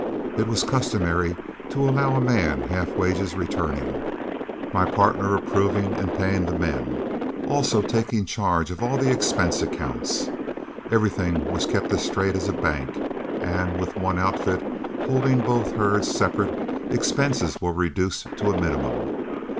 It was customary to allow a man half wages returning, my partner approving and paying the men, also taking charge of all the expense accounts. Everything was kept as straight as a bank, and with one outfit holding both herds separate, expenses were reduced to a minimum.